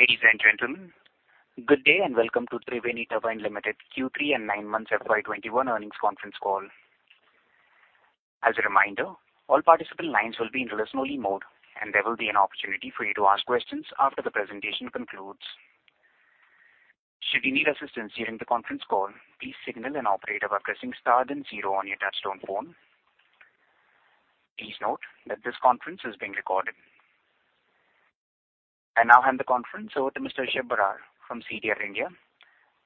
Ladies and gentlemen, good day and Welcome to Triveni Turbine Limited Q3 and nine months FY 2021 earnings conference call. As a reminder, all participant lines will be in listen only mode, and there will be an opportunity for you to ask questions after the presentation concludes. Should you need assistance during the conference call, please signal an operator by pressing star then zero on your touch-tone phone. Please note that this conference is being recorded. I now hand the conference over to Mr. Rishab Barar from CDR India.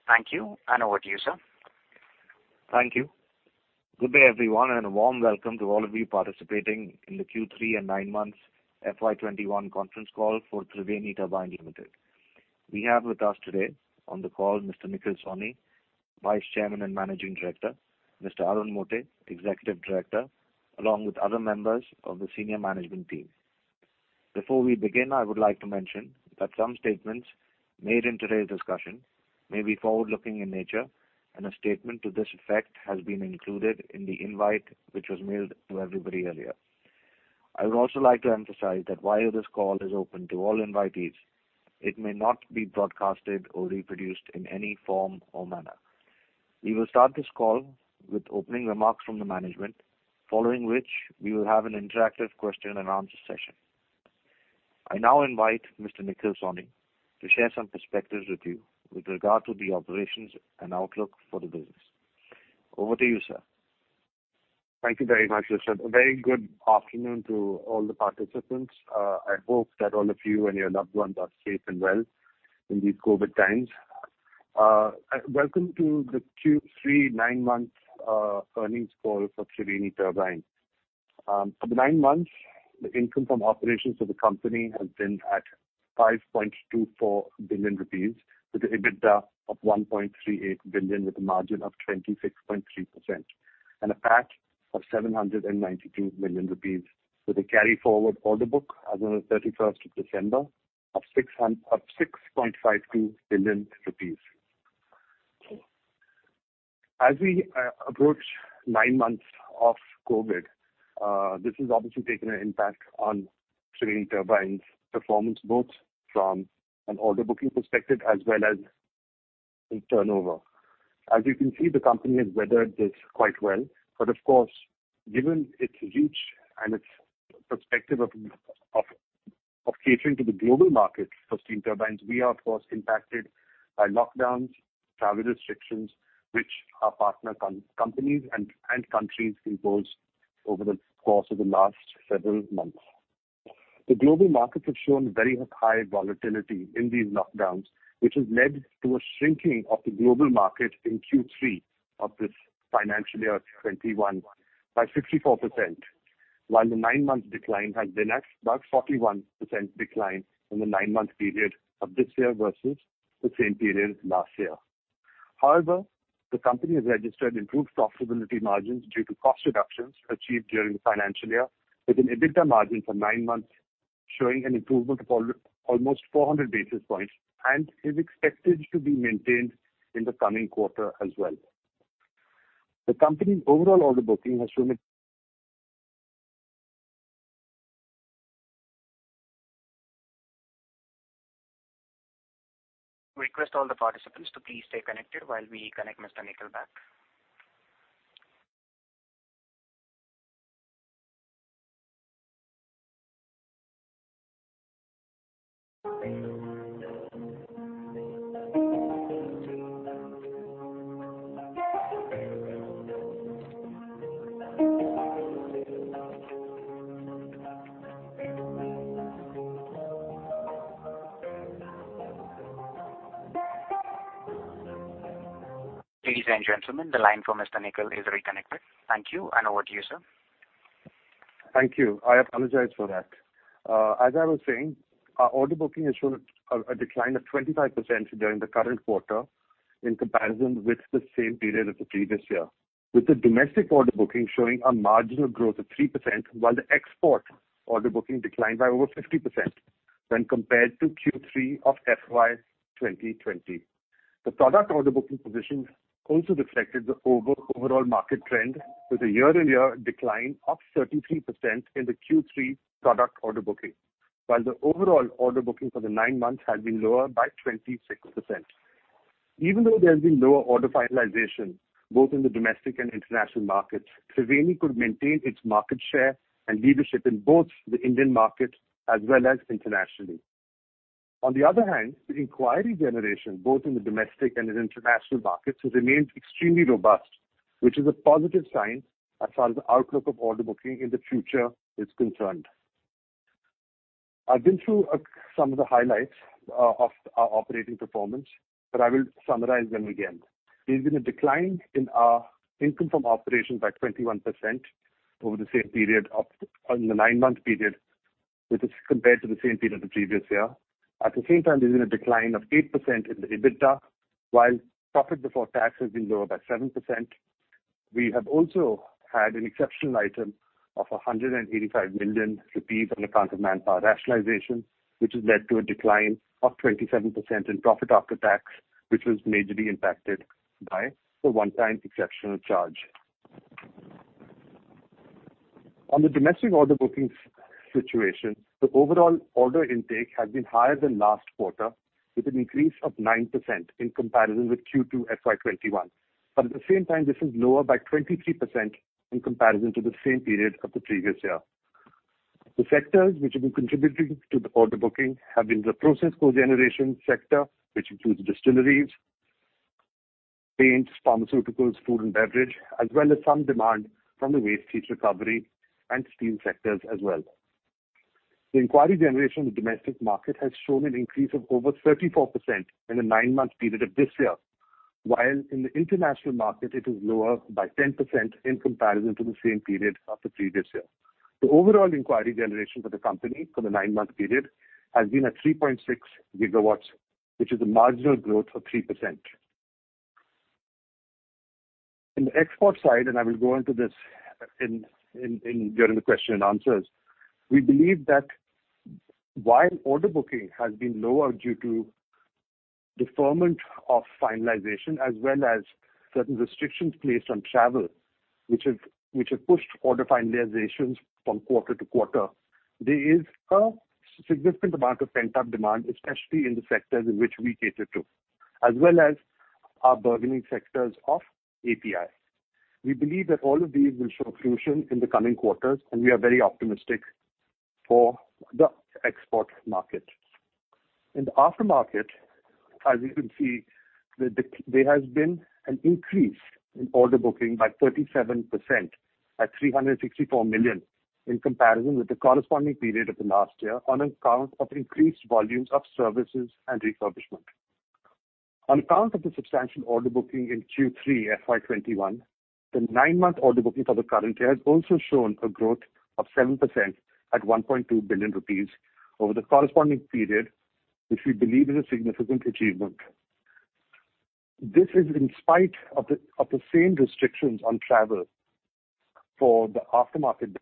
Thank you, and over to you, sir. Thank you. Good day, everyone, and a warm welcome to all of you participating in the Q3 and nine months FY 2021 conference call for Triveni Turbine Limited. We have with us today on the call Mr. Nikhil Sawhney, Vice Chairman and Managing Director, Mr. Arun Mote, Executive Director, along with other members of the senior management team. Before we begin, I would like to mention that some statements made in today's discussion may be forward-looking in nature, and a statement to this effect has been included in the invite, which was mailed to everybody earlier. I would also like to emphasize that while this call is open to all invitees, it may not be broadcasted or reproduced in any form or manner. We will start this call with opening remarks from the management, following which we will have an interactive question and answer session. I now invite Mr. Nikhil Sawhney to share some perspectives with you with regard to the operations and outlook for the business. Over to you, sir. Thank you very much. A very good afternoon to all the participants. I hope that all of you and your loved ones are safe and well in these COVID times. Welcome to the Q3 nine months earnings call for Triveni Turbine. For the nine months, the income from operations of the company has been at 5.24 billion rupees with an EBITDA of 1.38 billion, with a margin of 26.3%, a PAT of 792 million rupees with a carry forward order book as on the December 31st of 6.52 billion rupees. As we approach nine months of COVID, this has obviously taken an impact on Triveni Turbine's performance, both from an order booking perspective as well as in turnover. As you can see, the company has weathered this quite well, but of course, given its reach and its perspective of catering to the global market for steam turbines, we are of course impacted by lockdowns, travel restrictions, which our partner companies and countries imposed over the course of the last several months. The global markets have shown very high volatility in these lockdowns, which has led to a shrinking of the global market in Q3 of this financial year 2021 by 64%, while the nine-month decline has been at about 41% decline in the nine-month period of this year versus the same period last year. However, the company has registered improved profitability margins due to cost reductions achieved during the financial year with an EBITDA margin for nine months, showing an improvement of almost 400 basis points and is expected to be maintained in the coming quarter as well. The company's overall order booking has shown a- Request all the participants to please stay connected while we connect Mr. Nikhil back. Ladies and gentlemen, the line for Mr. Nikhil is reconnected. Thank you, and over to you, sir. Thank you. I apologize for that. As I was saying, our order booking has shown a decline of 25% during the current quarter in comparison with the same period of the previous year, with the domestic order booking showing a marginal growth of 3%, while the export order booking declined by over 50% when compared to Q3 of FY 2020. The product order booking position also reflected the overall market trend with a year-on-year decline of 33% in the Q3 product order booking, while the overall order booking for the nine months has been lower by 26%. Even though there has been lower order finalization both in the domestic and international markets, Triveni could maintain its market share and leadership in both the Indian market as well as internationally. On the other hand, the inquiry generation, both in the domestic and in international markets, has remained extremely robust, which is a positive sign as far as the outlook of order booking in the future is concerned. I've been through some of the highlights of our operating performance, but I will summarize them again. There's been a decline in our income from operations by 21% over the same period of the nine-month period, which is compared to the same period the previous year. At the same time, there's been a decline of 8% in the EBITDA, while profit before tax has been lower by 7%. We have also had an exceptional item of 185 million rupees on account of manpower rationalization, which has led to a decline of 27% in profit after tax, which was majorly impacted by the one-time exceptional charge. On the domestic order bookings situation, the overall order intake has been higher than last quarter, with an increase of 9% in comparison with Q2 FY 2021. At the same time, this is lower by 23% in comparison to the same period of the previous year. The sectors which have been contributing to the order booking have been the process co-generation sector, which includes distilleries, paints, pharmaceuticals, food and beverage, as well as some demand from the waste heat recovery and steel sectors as well. The inquiry generation in the domestic market has shown an increase of over 34% in the nine-month period of this year, while in the international market, it is lower by 10% in comparison to the same period of the previous year. The overall inquiry generation for the company for the nine-month period has been at 3.6 GW, which is a marginal growth of 3%. In the export side, and I will go into this during the question and answers, we believe that while order booking has been lower due to deferment of finalization as well as certain restrictions placed on travel, which have pushed order finalizations from quarter to quarter, there is a significant amount of pent-up demand, especially in the sectors in which we cater to, as well as our burgeoning sectors of API. We believe that all of these will show fruition in the coming quarters, and we are very optimistic for the export market. In the aftermarket, as you can see, there has been an increase in order booking by 37% at 364 million in comparison with the corresponding period of the last year on account of increased volumes of services and refurbishment. On account of the substantial order booking in Q3 FY 2021, the nine-month order booking for the current year has also shown a growth of 7% at 1.2 billion rupees over the corresponding period, which we believe is a significant achievement. This is in spite of the same restrictions on travel for the aftermarket.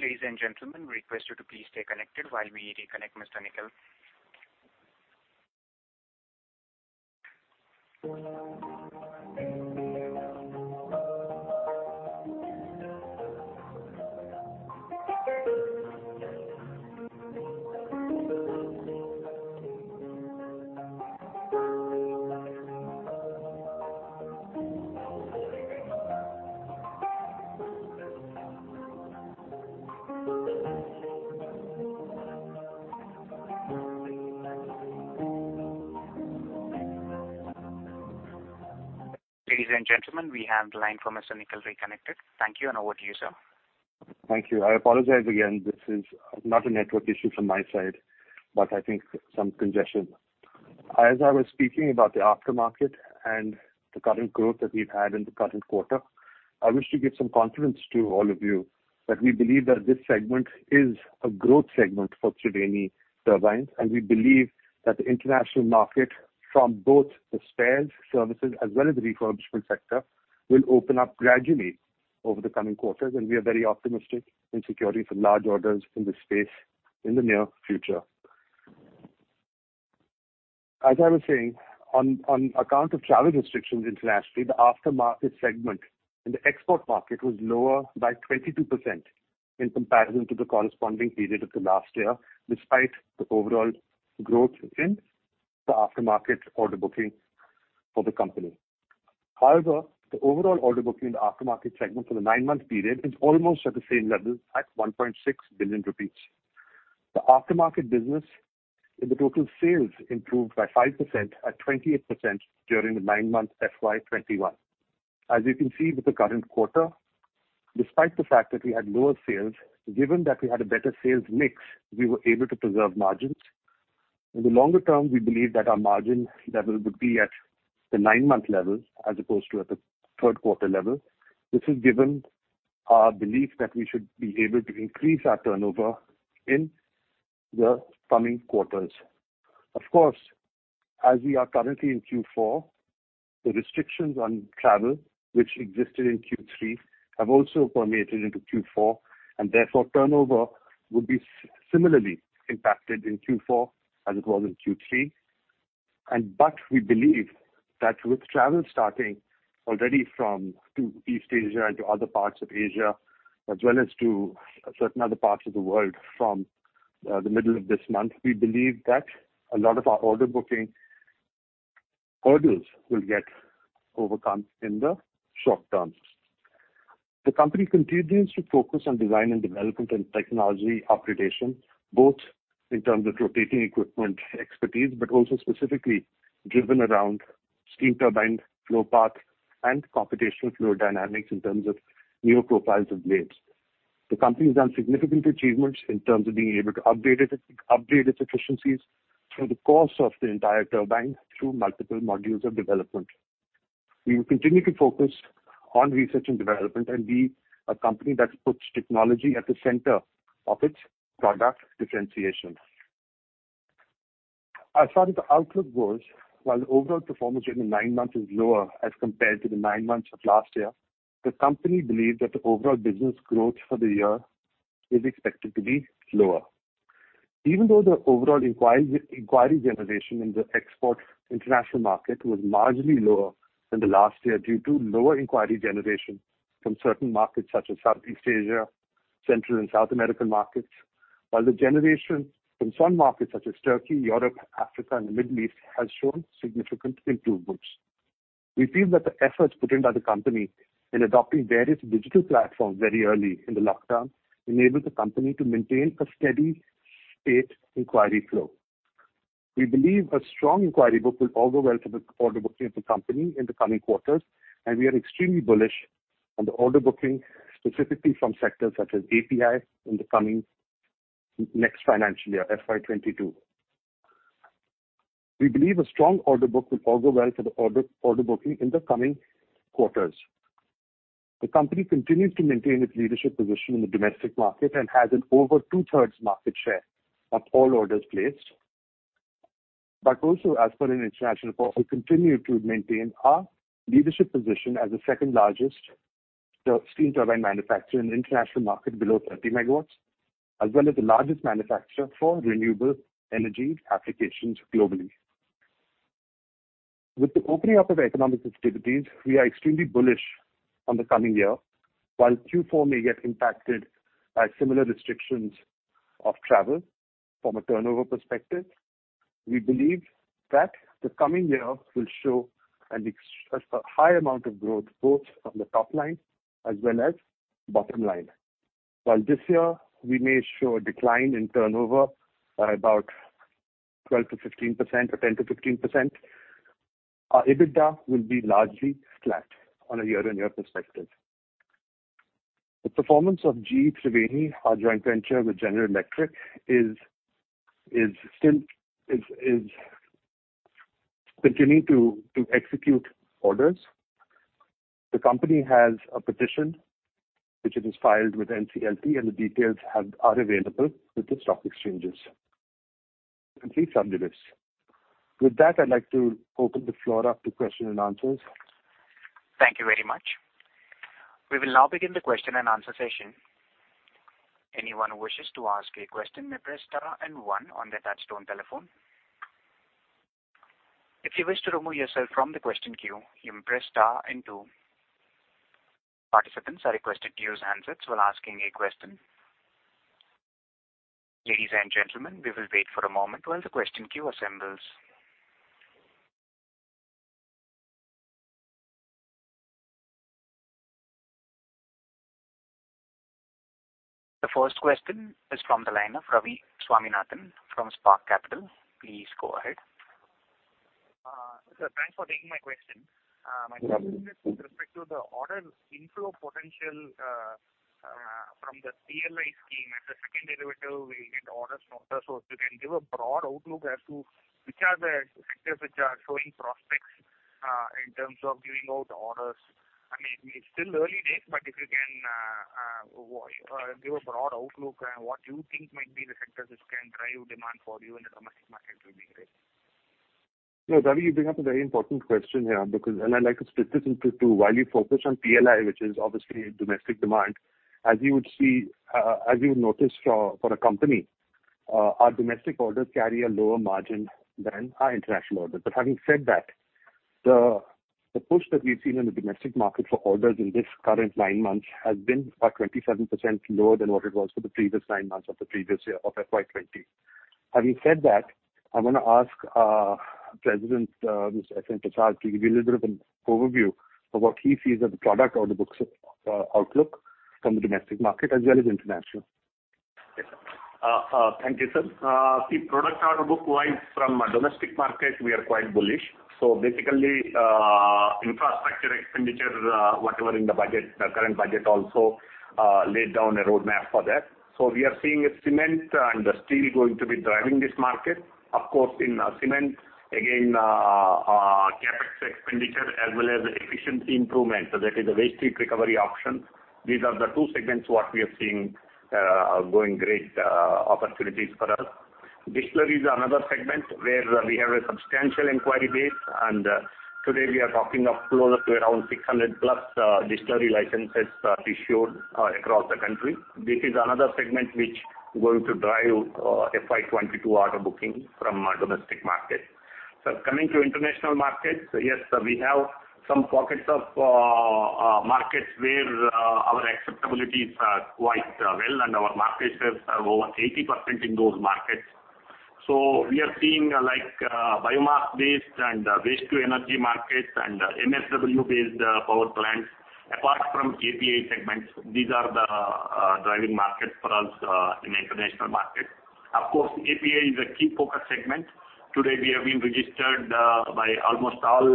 Ladies and gentlemen, we request you to please stay connected while we reconnect Mr. Nikhil. Ladies and gentlemen, we have the line from Mr. Nikhil reconnected. Thank you, and over to you, sir. Thank you. I apologize again. This is not a network issue from my side, but I think some congestion. As I was speaking about the aftermarket and the current growth that we've had in the current quarter, I wish to give some confidence to all of you that we believe that this segment is a growth segment for Triveni Turbine, and we believe that the international market, from both the spares, services, as well as the refurbishment sector, will open up gradually over the coming quarters, and we are very optimistic in securing some large orders in this space in the near future. As I was saying, on account of travel restrictions internationally, the aftermarket segment in the export market was lower by 22% in comparison to the corresponding period of the last year, despite the overall growth in the aftermarket order booking for the company. However, the overall order booking in the aftermarket segment for the nine-month period is almost at the same level as 1.6 billion rupees. The aftermarket business in the total sales improved by 5% at 28% during the nine-month FY 2021. As you can see with the current quarter, despite the fact that we had lower sales, given that we had a better sales mix, we were able to preserve margins. In the longer term, we believe that our margin level would be at the nine-month level as opposed to at the third quarter level. This is given our belief that we should be able to increase our turnover in the coming quarters. Of course, as we are currently in Q4, the restrictions on travel which existed in Q3 have also permeated into Q4, and therefore turnover will be similarly impacted in Q4 as it was in Q3. We believe that with travel starting already from East Asia into other parts of Asia, as well as to certain other parts of the world from the middle of this month, we believe that a lot of our order booking hurdles will get overcome in the short term. The company continues to focus on design and development and technology upgradation, both in terms of rotating equipment expertise, but also specifically driven around steam turbine flow path and computational fluid dynamics in terms of new profiles of blades. The company has done significant achievements in terms of being able to upgrade its efficiencies through the course of the entire turbine through multiple modules of development. We will continue to focus on research and development and be a company that puts technology at the center of its product differentiation. As far as the outlook goes, while the overall performance during the nine months is lower as compared to the nine months of last year, the company believes that the overall business growth for the year is expected to be lower. The overall inquiry generation in the export international market was marginally lower than the last year due to lower inquiry generation from certain markets such as Southeast Asia, Central and South American markets. The generation from some markets such as Turkey, Europe, Africa, and the Middle East has shown significant improvements. We feel that the efforts put in by the company in adopting various digital platforms very early in the lockdown enabled the company to maintain a steady state inquiry flow. We believe a strong inquiry book will all go well for the order booking of the company in the coming quarters, and we are extremely bullish on the order booking specifically from sectors such as API in the coming next financial year, FY 2022. We believe a strong order book will all go well for the order booking in the coming quarters. The company continues to maintain its leadership position in the domestic market and has an over 2/3 market share of all orders placed. Also as per an international portal, we continue to maintain our leadership position as the second largest steam turbine manufacturer in the international market below 30 MW, as well as the largest manufacturer for renewable energy applications globally. With the opening up of economic activities, we are extremely bullish on the coming year. While Q4 may get impacted by similar restrictions of travel from a turnover perspective, we believe that the coming year will show a high amount of growth, both on the top line as well as bottom line. While this year we may show a decline in turnover by about 12%-15% or 10%-15%, our EBITDA will be largely flat on a year-on-year perspective. The performance of GE Triveni, our joint venture with General Electric, is continuing to execute orders. The company has a petition, which it has filed with NCLT, and the details are available with the stock exchanges. Please find the list. With that, I'd like to open the floor up to question and answers. Thank you very much. We will now begin the question and answer session. Anyone who wishes to ask a question may press star and one on their touchtone telephone. If you wish to remove yourself from the question queue, you may press star and two. Participants are requested to use handsets when asking a question. Ladies and gentlemen, we will wait for a moment while the question queue assembles. The first question is from the line of Ravi Swaminathan from Spark Capital. Please go ahead. Sir, thanks for taking my question. Yeah. My question is with respect to the order inflow potential from the PLI scheme. As a second derivative, we will get orders from there. If you can give a broad outlook as to which are the sectors which are showing prospects in terms of giving out orders. It's still early days, but if you can give a broad outlook on what you think might be the sectors which can drive demand for you in the domestic market will be great. No, Ravi, you bring up a very important question here, because and I'd like to split this into two. While you focus on PLI, which is obviously domestic demand, as you would notice for a company, our domestic orders carry a lower margin than our international orders. Having said that, the push that we've seen in the domestic market for orders in this current nine months has been about 27% lower than what it was for the previous nine months of the previous year, of FY 2020. Having said that, I'm going to ask our President, Mr. S.N. Prasad, to give you a little bit of an overview of what he sees as the product order books outlook from the domestic market as well as international. Yes, sir. Thank you, sir. Product order book wise from a domestic market, we are quite bullish. Infrastructure expenditure, whatever in the budget, the current budget also laid down a roadmap for that. We are seeing cement and steel going to be driving this market. Of course, in cement, again, CapEx expenditure as well as efficiency improvement. That is a waste heat recovery option. These are the two segments what we are seeing are going great opportunities for us. Distillery is another segment where we have a substantial inquiry base, and today we are talking of closer to around 600+ distillery licenses issued across the country. This is another segment which is going to drive FY 2022 order booking from our domestic market. Coming to international markets, yes, we have some pockets of markets where our acceptabilities are quite well, and our market shares are over 80% in those markets. We are seeing biomass based and waste to energy markets and MSW based power plants. Apart from API segments, these are the driving markets for us in international markets. Of course, API is a key focus segment. Today, we have been registered by almost all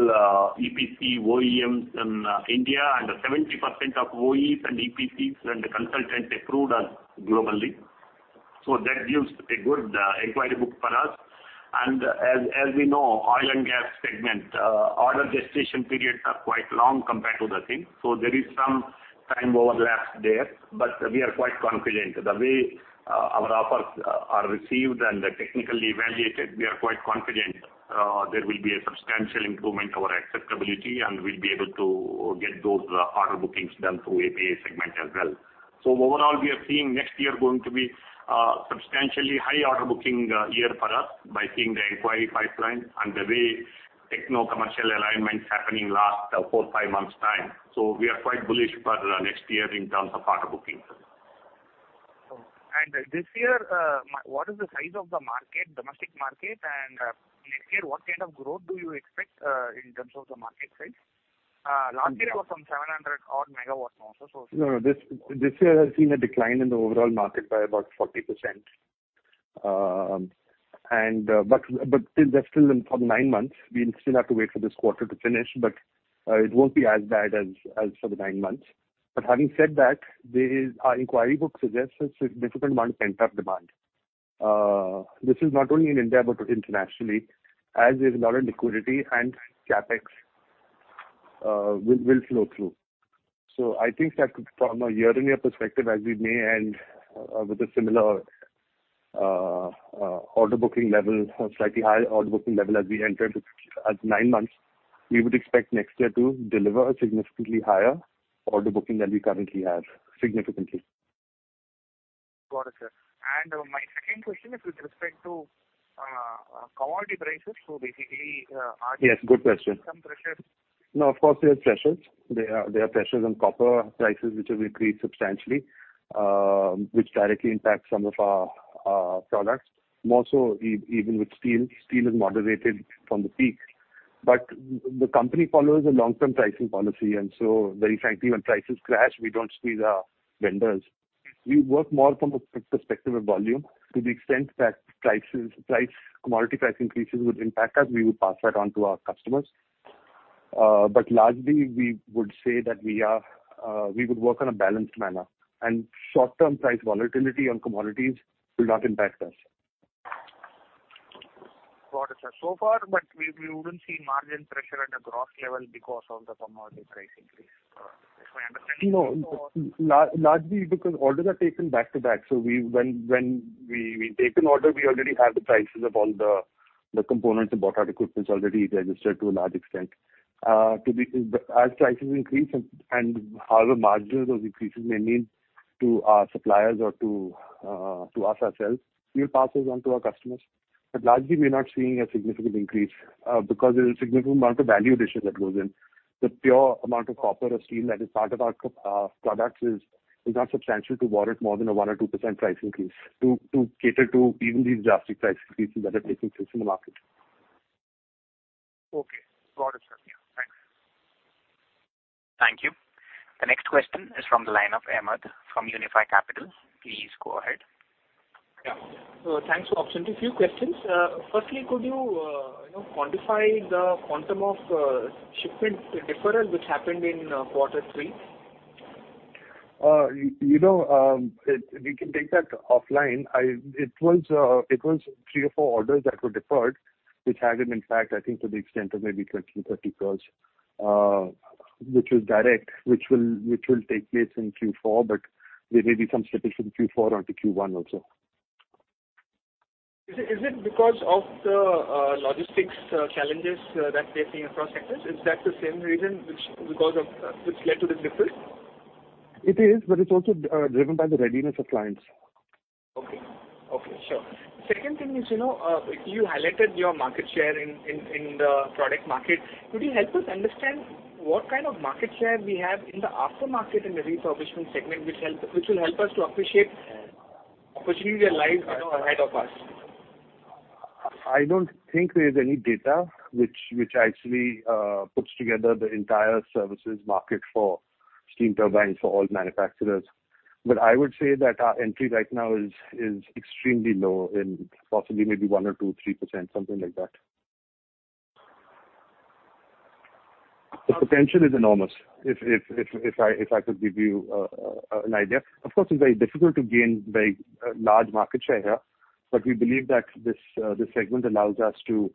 EPC OEMs in India, and 70% of OEs and EPCs and consultants approved us globally. That gives a good inquiry book for us. As we know, oil and gas segment, order gestation periods are quite long compared to the thing. Time overlaps there, but we are quite confident. The way our offers are received and technically evaluated, we are quite confident there will be a substantial improvement over acceptability, and we'll be able to get those order bookings done through API segment as well. Overall, we are seeing next year going to be substantially high order booking year for us by seeing the inquiry pipeline and the way techno-commercial alignment happening last four, five months time. We are quite bullish for next year in terms of order bookings. This year, what is the size of the market, domestic market? Next year, what kind of growth do you expect in terms of the market size? Last year it was some 700 odd MW also. No, this year has seen a decline in the overall market by about 40%. That's still for the nine months. We still have to wait for this quarter to finish, but it won't be as bad as for the nine months. Having said that, our inquiry book suggests it's a significant amount of pent-up demand. This is not only in India but internationally, as there's a lot of liquidity and CapEx will flow through. I think that from a year-on-year perspective, as we may end with a similar order booking level, slightly higher order booking level as we entered at nine months, we would expect next year to deliver a significantly higher order booking than we currently have. Significantly. Got it, sir. My second question is with respect to commodity prices. Yes, good question. Some pressures. No, of course, there are pressures. There are pressures on copper prices, which have increased substantially, which directly impact some of our products. More so even with steel. Steel is moderated from the peak. The company follows a long-term pricing policy, and so very frankly, when prices crash, we don't squeeze our vendors. We work more from a perspective of volume. To the extent that commodity price increases would impact us, we would pass that on to our customers. Largely, we would say that we would work in a balanced manner, and short-term price volatility on commodities will not impact us. Got it, sir. So far, but we wouldn't see margin pressure at a gross level because of the commodity price increase. Is my understanding correct or? No, largely because orders are taken back to back. When we take an order, we already have the prices of all the components and bought-out equipment already registered to a large extent. As prices increase and however margins or increases may mean to our suppliers or to us ourselves, we'll pass those on to our customers. Largely, we're not seeing a significant increase because there's a significant amount of value addition that goes in. The pure amount of copper or steel that is part of our products is not substantial to warrant more than a 1% or 2% price increase to cater to even these drastic price increases that are taking place in the market. Okay. Got it, sir. Yeah. Thanks. Thank you. The next question is from the line of Ahmed from Unifi Capital. Please go ahead. Yeah. Thanks for the opportunity. A few questions. Firstly, could you quantify the quantum of shipment deferral which happened in quarter three? We can take that offline. It was three or four orders that were deferred, which had an impact, I think, to the extent of maybe 20 crores-30 crores, which was direct, which will take place in Q4, but there may be some slippage from Q4 on to Q1 also. Is it because of the logistics challenges that they're seeing across sectors? Is that the same reason which led to this deferral? It is, but it's also driven by the readiness of clients. Okay. Sure. Second thing is, you highlighted your market share in the product market. Could you help us understand what kind of market share we have in the aftermarket and the refurbishment segment, which will help us to appreciate opportunities that lie ahead of us? I don't think there's any data which actually puts together the entire services market for steam turbines for all manufacturers. I would say that our entry right now is extremely low, in possibly maybe 1% or 2%, 3%, something like that. The potential is enormous, if I could give you an idea. Of course, it's very difficult to gain very large market share here, but we believe that this segment allows us to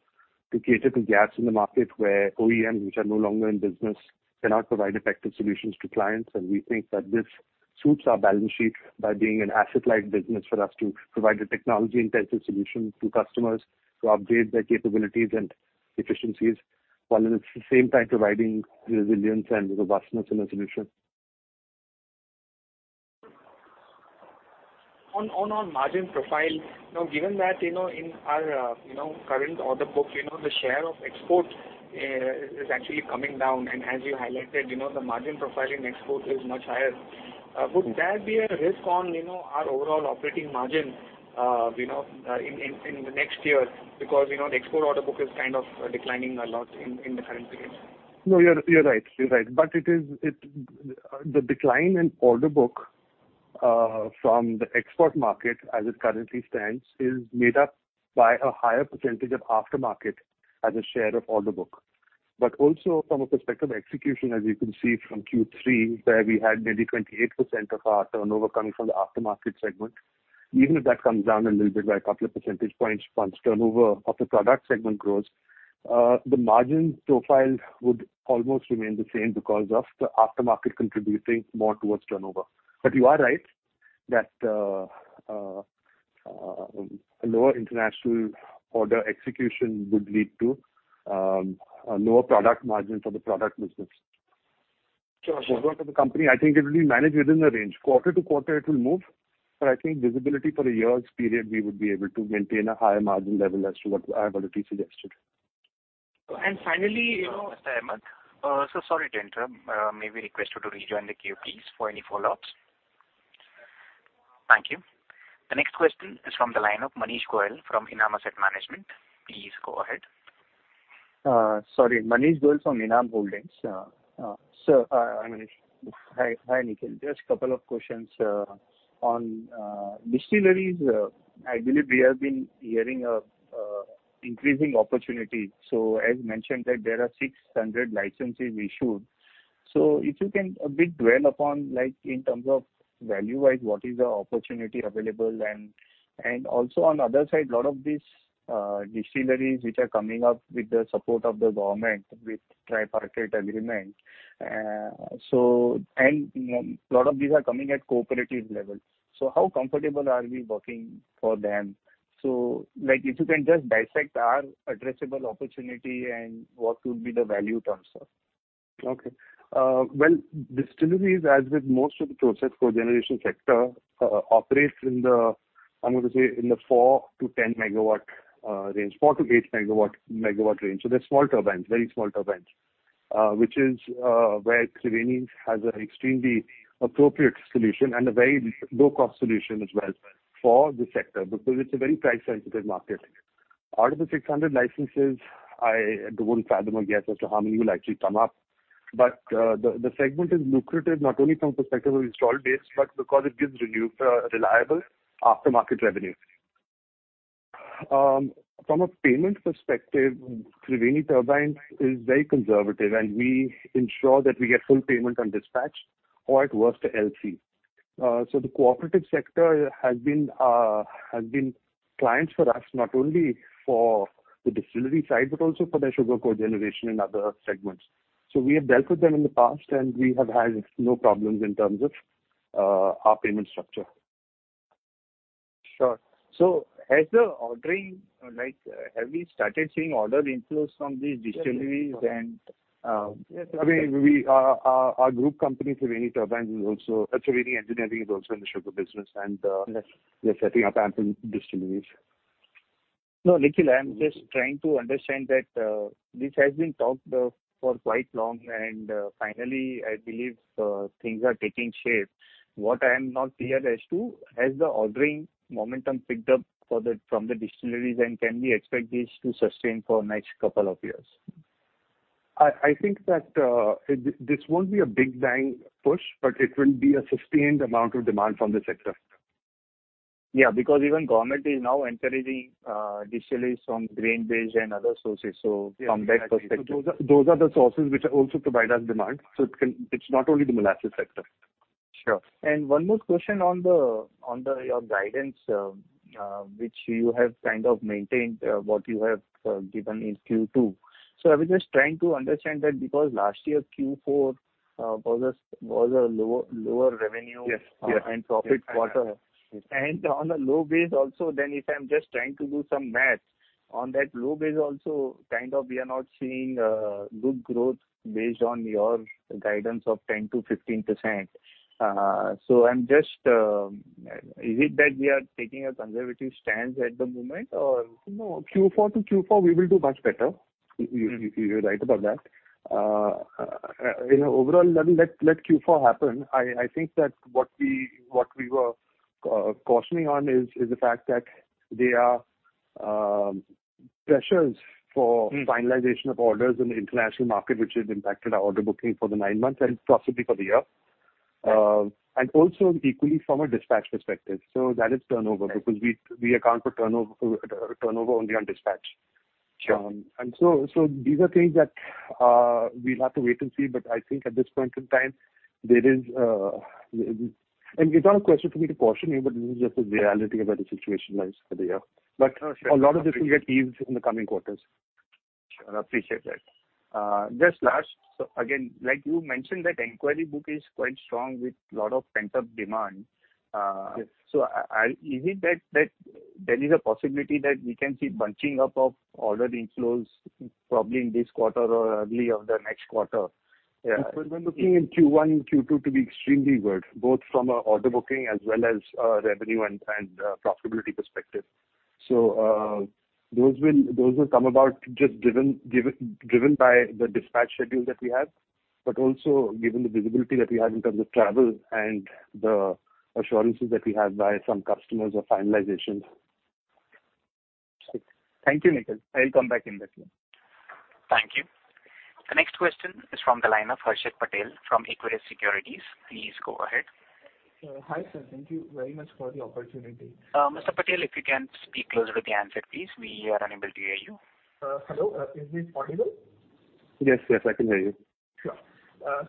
cater to gaps in the market where OEMs which are no longer in business cannot provide effective solutions to clients. We think that this suits our balance sheet by being an asset-light business for us to provide a technology-intensive solution to customers to upgrade their capabilities and efficiencies, while at the same time providing resilience and robustness in the solution. On our margin profile, now given that in our current order book, the share of export is actually coming down, and as you highlighted, the margin profile in export is much higher. Would that be a risk on our overall operating margin in the next year? The export order book is kind of declining a lot in the current period. No, you're right. The decline in order book from the export market, as it currently stands, is made up by a higher percentage of aftermarket as a share of order book. Also from a perspective of execution, as you can see from Q3, where we had maybe 28% of our turnover coming from the aftermarket segment. Even if that comes down a little bit by a couple of percentage points once turnover of the product segment grows, the margin profile would almost remain the same because of the aftermarket contributing more towards turnover. You are right that, a lower international order execution would lead to a lower product margin for the product business. Sure, sure. Overall for the company, I think it will be managed within the range. Quarter to quarter, it will move, I think visibility for a year's period, we would be able to maintain a higher margin level as to what I've already suggested. And finally- Mr. Ahmed. Sorry, [inuadible]. May we request you to rejoin the queue, please, for any follow-ups? Thank you. The next question is from the line of Manish Goel from Enam Asset Management. Please go ahead. Sorry, Manish Goel from Enam Holdings. Sir, Manish. Hi, Nikhil. Just a couple of questions. On distilleries, I believe we have been hearing of increasing opportunity. As mentioned that there are 600 licenses issued. If you can a bit dwell upon, in terms of value-wise, what is the opportunity available and also on the other side, a lot of these distilleries which are coming up with the support of the government with tripartite agreement. A lot of these are coming at cooperative levels. How comfortable are we working for them? If you can just dissect our addressable opportunity and what would be the value terms there. Okay. Well, distilleries, as with most of the process co-generation sector, operates in the, I'm going to say, in the 4 MW to 10 MW range, 4 MW to 8 MW range. They're small turbines, very small turbines. Which is where Triveni has an extremely appropriate solution and a very low-cost solution as well for this sector, because it's a very price-sensitive market. Out of the 600 licenses, I won't fathom a guess as to how many will actually come up. The segment is lucrative, not only from perspective of install base, but because it gives reliable aftermarket revenue. From a payment perspective, Triveni Turbine is very conservative, and we ensure that we get full payment on dispatch or at worst, a LC. The cooperative sector has been clients for us, not only for the distillery side, but also for their sugar cogeneration and other segments. We have dealt with them in the past, and we have had no problems in terms of our payment structure. Sure. As you're ordering, have we started seeing order inflows from these distilleries? Yes. I mean, our group company, Triveni Engineering, is also in the sugar business. Yes. Yes, setting up ample distilleries. No, Nikhil, I'm just trying to understand that this has been talked for quite long, and finally, I believe things are taking shape. What I'm not clear as to, has the ordering momentum picked up from the distilleries, and can we expect this to sustain for next couple of years? I think that this won't be a big bang push, but it will be a sustained amount of demand from the sector. Yeah, because even government is now encouraging distilleries from grain-based and other sources, so from that perspective. Those are the sources which also provide us demand. It's not only the molasses sector. Sure. One more question on your guidance, which you have kind of maintained what you have given in Q2. I was just trying to understand that because last year Q4 was a lower revenue- Yes. And profit quarter. Yes. On a low base also then, if I'm just trying to do some math, on that low base also, kind of we are not seeing good growth based on your guidance of 10%-15%. Is it that we are taking a conservative stance at the moment or? No. Q4 to Q4, we will do much better. You're right about that. In an overall level, let Q4 happen. I think that what we were cautioning on is the fact that there are pressures for finalization of orders in the international market, which has impacted our order booking for the nine months and possibly for the year. Also equally from a dispatch perspective. That is turnover, because we account for turnover only on dispatch. Sure. These are things that we'll have to wait and see, but I think at this point in time, it's not a question for me to caution you, but this is just the reality of where the situation lies for the year. Sure. A lot of this will get eased in the coming quarters. Sure. Appreciate that. Just last, again, like you mentioned, that inquiry book is quite strong with lot of pent-up demand. Yes. Is it that there is a possibility that we can see bunching up of order inflows probably in this quarter or early of the next quarter? We're looking in Q1 and Q2 to be extremely good, both from a order booking as well as revenue and profitability perspective. Those will come about just driven by the dispatch schedule that we have, but also given the visibility that we have in terms of travel and the assurances that we have by some customers or finalizations. Thank you, Nikhil. I'll come back in this one. Thank you. The next question is from the line of Harshit Patel from Equirus Securities. Please go ahead. Hi, sir. Thank you very much for the opportunity. Mr. Patel, if you can speak closer to the handset, please. We are unable to hear you. Hello, is this audible? Yes, I can hear you. Sure.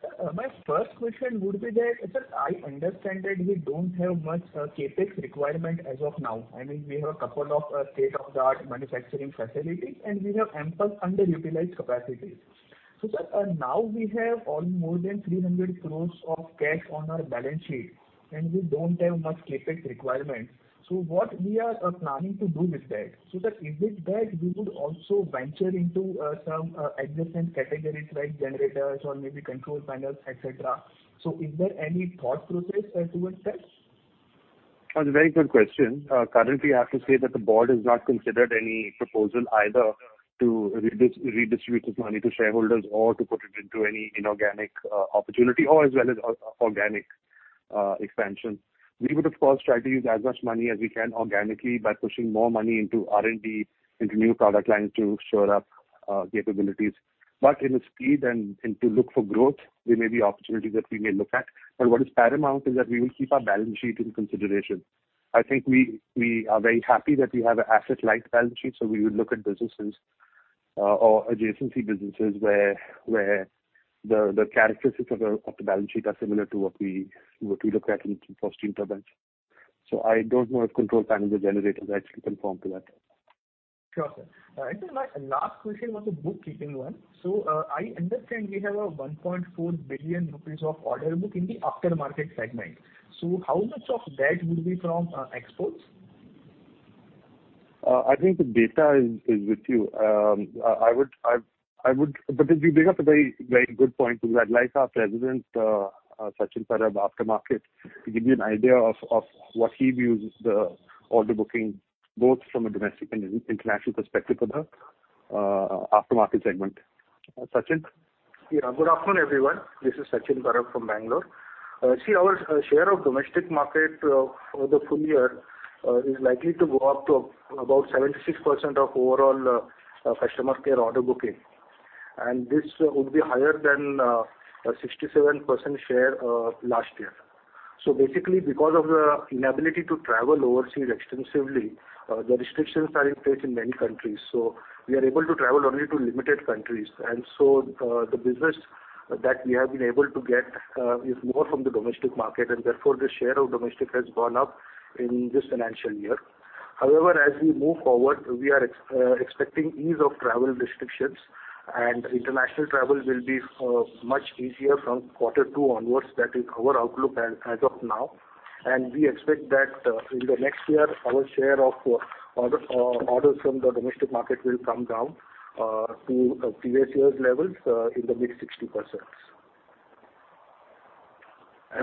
Sir, my first question would be that, sir, I understand that we don't have much CapEx requirement as of now. I mean, we have a couple of state-of-the-art manufacturing facilities, and we have ample underutilized capacity. Sir, now we have more than 300 crores of cash on our balance sheet, and we don't have much CapEx requirements. What we are planning to do with that? Sir, is it that we could also venture into some adjacent categories like generators or maybe control panels, et cetera? Is there any thought process towards that? That's a very good question. Currently, I have to say that the board has not considered any proposal either to redistribute this money to shareholders or to put it into any inorganic opportunity or as well as organic expansion. We would, of course, try to use as much money as we can organically by pushing more money into R&D, into new product lines to shore up capabilities. In the speed and to look for growth, there may be opportunities that we may look at, but what is paramount is that we will keep our balance sheet in consideration. I think we are very happy that we have an asset-light balance sheet, so we would look at businesses or adjacency businesses where the characteristics of the balance sheet are similar to what we look at in Triveni Turbine. I don't know if control panels or generators actually conform to that. Sure, sir. Sir, my last question was a bookkeeping one. I understand we have 1.4 billion rupees of order book in the aftermarket segment. How much of that would be from exports? I think the data is with you. You bring up a very good point. I'd like our President, Sachin Parab, aftermarket, to give you an idea of what he views is the order booking, both from a domestic and international perspective for the aftermarket segment. Sachin? Yeah. Good afternoon, everyone. This is Sachin Parab from Bangalore. See, our share of domestic market for the full year is likely to go up to about 76% of overall customer care order booking, and this would be higher than 67% share last year. Basically, because of the inability to travel overseas extensively, the restrictions are in place in many countries. The business that we have been able to get is more from the domestic market, and therefore, the share of domestic has gone up in this financial year. However, as we move forward, we are expecting ease of travel restrictions, and international travel will be much easier from quarter two onwards. That is our outlook as of now. We expect that in the next year, our share of orders from the domestic market will come down to previous years levels in the mid-60%.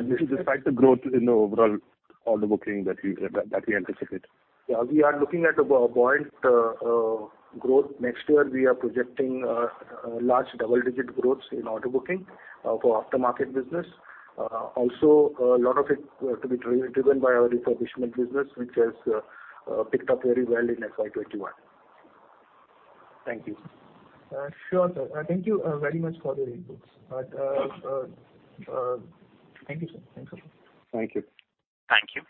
This is despite the growth in the overall order booking that we anticipate. Yeah, we are looking at a buoyant growth. Next year, we are projecting large double-digit growth in order booking for Aftermarket Business. Also, a lot of it to be driven by our Refurbishment Business, which has picked up very well in FY 2021. Thank you. Sure, sir. Thank you very much for the inputs. Thank you, sir. Thank you. Thank you.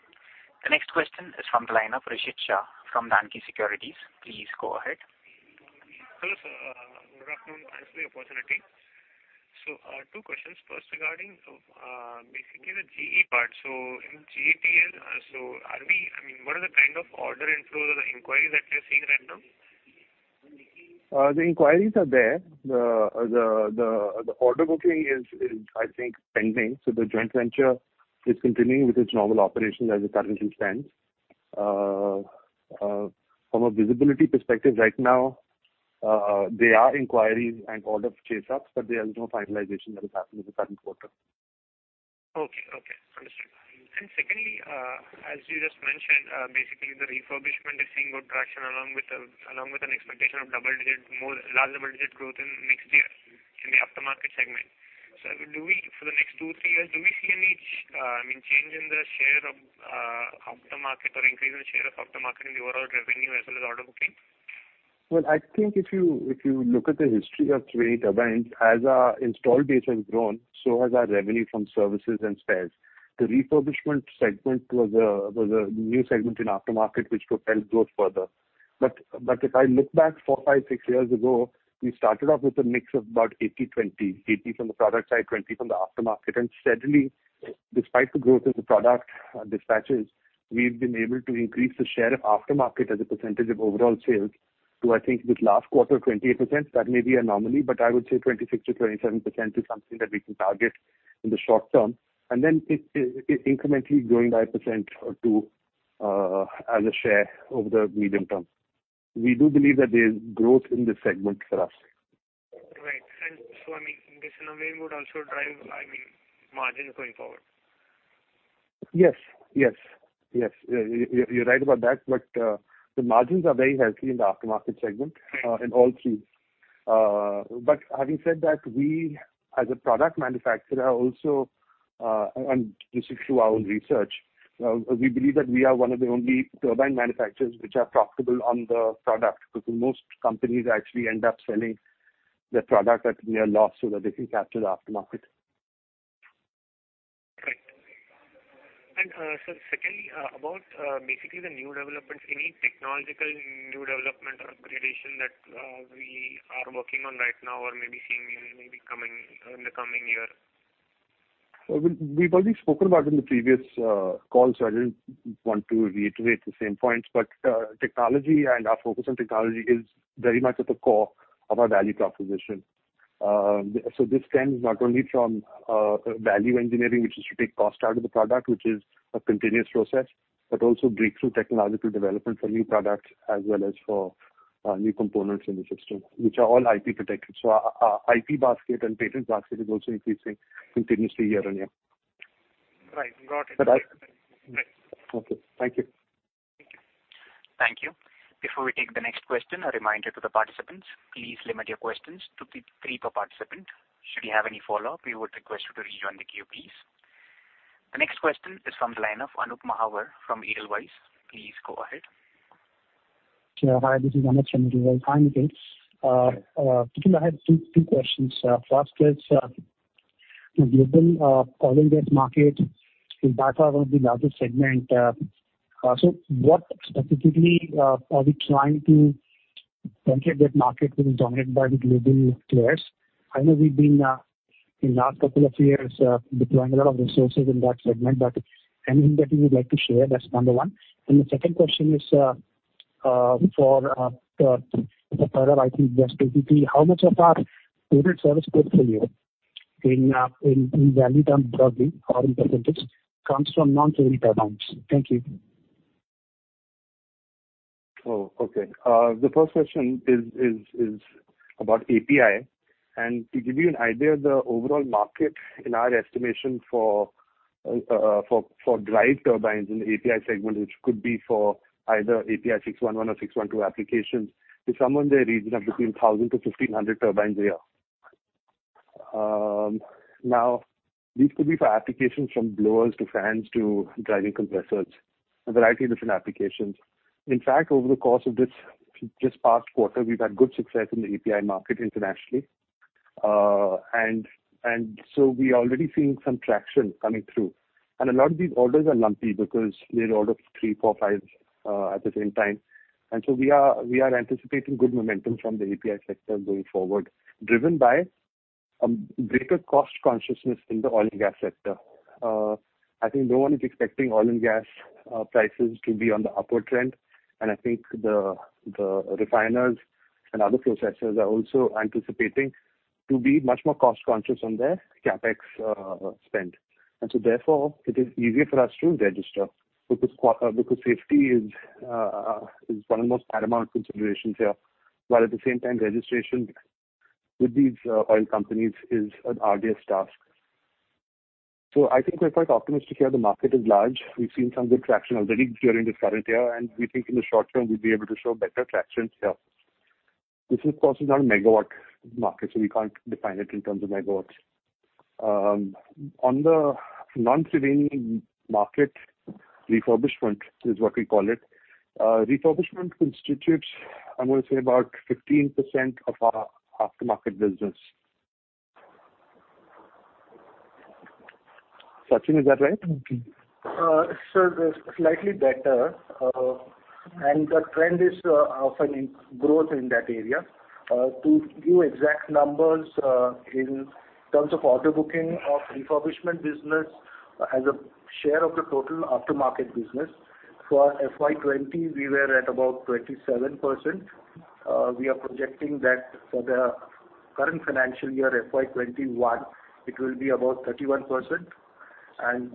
The next question is from the line of Rishit Shah from NAM Securities. Please go ahead. Hello, sir. Good afternoon. Thanks for the opportunity. Two questions. First, regarding basically the GE part. In GETL, what are the kind of order inflows or the inquiries that you're seeing right now? The inquiries are there. The order booking is, I think, pending. The joint venture is continuing with its normal operations as it currently stands. From a visibility perspective right now, there are inquiries and orders chase ups, but there is no finalization that has happened in the current quarter. Okay. Understood. Secondly, as you just mentioned, basically the refurbishment is seeing good traction along with an expectation of large double-digit growth in next year in the aftermarket segment. For the next two, three years, do we see any change in the share of aftermarket or increase in share of aftermarket in the overall revenue as well as order booking? Well, I think if you look at the history of Triveni Turbine, as our install base has grown, so has our revenue from services and spares. The refurbishment segment was a new segment in aftermarket, which could help grow further. If I look back four, five, six years ago, we started off with a mix of about 80/20. 80 from the product side, 20 from the aftermarket. Steadily, despite the growth of the product dispatches, we've been able to increase the share of aftermarket as a percentage of overall sales to, I think this last quarter, 28%. That may be anomaly, but I would say 26%-27% is something that we can target in the short term. Then it incrementally growing by a percent or two as a share over the medium term. We do believe that there's growth in this segment for us. Right. This in a way would also drive margins going forward. Yes. You're right about that, but the margins are very healthy in the aftermarket segment in all three. Having said that, we as a product manufacturer also, and this is through our own research, we believe that we are one of the only turbine manufacturers which are profitable on the product, because most companies actually end up selling the product at near loss so that they can capture the aftermarket. Sir, secondly, about basically the new developments. Any technological new development or upgradation that we are working on right now or may be seeing in the coming year? We've already spoken about in the previous call, so I didn't want to reiterate the same points. Technology and our focus on technology is very much at the core of our value proposition. This stems not only from value engineering, which is to take cost out of the product, which is a continuous process, but also breakthrough technological development for new products as well as for new components in the system, which are all IP protected. Our IP basket and patent basket is also increasing continuously year on year. Right. Got it. Is that right? Right. Okay. Thank you. Thank you. Before we take the next question, a reminder to the participants, please limit your questions to three per participant. Should you have any follow-up, we would request you to rejoin the queue, please. The next question is from the line of Amit Mahawar from Edelweiss. Please go ahead. Hi, this is Amit from Edelweiss. Hi, Nikhil. Nikhil, I have two questions. First is, global oil and gas market, is that one of the largest segment? What specifically are we trying to penetrate that market, which is dominated by the global players? I know we've been, in last couple of years, deploying a lot of resources in that segment, but anything that you would like to share, that's number one. The second question is for the further IP investment. How much of our Triveni service portfolio in value terms, roughly, or in percentage, comes from non-Triveni turbines? Thank you. Oh, okay. The first question is about API. To give you an idea of the overall market in our estimation for drive turbines in the API segment, which could be for either API 611 or 612 applications, is somewhere in the region of between 1,000-1,500 turbines a year. Now, these could be for applications from blowers to fans to driving compressors, a variety of different applications. In fact, over the course of this just past quarter, we've had good success in the API market internationally. We are already seeing some traction coming through. A lot of these orders are lumpy because they order three, four, five at the same time. We are anticipating good momentum from the API sector going forward, driven by a greater cost consciousness in the oil and gas sector. I think no one is expecting oil and gas prices to be on the upward trend, I think the refiners and other processors are also anticipating to be much more cost conscious on their CapEx spend. It is easier for us to register because safety is one of the most paramount considerations here. While at the same time, registration with these oil companies is an arduous task. I think we're quite optimistic here. The market is large. We've seen some good traction already during this current year, we think in the short term, we'll be able to show better traction here. This, of course, is not a megawatt market, we can't define it in terms of megawatts. On the non-Triveni market, refurbishment is what we call it. Refurbishment constitutes, I'm going to say, about 15% of our aftermarket business. Sachin, is that right? Sir, slightly better. The trend is of a growth in that area. To give exact numbers in terms of order booking of refurbishment business as a share of the total aftermarket business, for FY 2020, we were at about 27%. We are projecting that for the current financial year, FY 2021, it will be about 31%.